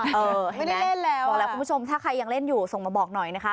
ไม่ได้เล่นแล้วบอกแล้วคุณผู้ชมถ้าใครยังเล่นอยู่ส่งมาบอกหน่อยนะคะ